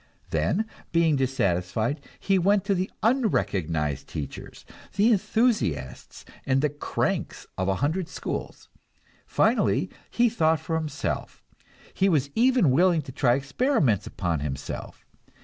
Then, being dissatisfied, he went to the unrecognized teachers, the enthusiasts and the "cranks" of a hundred schools. Finally, he thought for himself; he was even willing to try experiments upon himself.